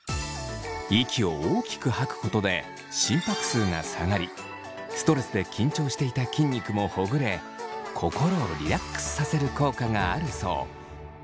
息を大きく吐くことで心拍数が下がりストレスで緊張していた筋肉もほぐれ心をリラックスさせる効果があるそう。